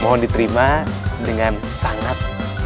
mohon diterima dengan sangat